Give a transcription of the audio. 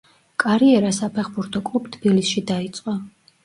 კარიერა საფეხბურთო კლუბ „თბილისში“ დაიწყო.